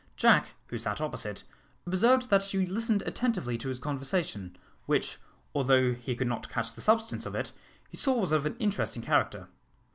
Jack, who sat opposite, observed that she listened attentively to his conversation, which, although he could not catch the substance of it, he saw was of an interesting character.